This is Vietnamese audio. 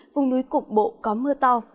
vùng núi cục bộ có mưa to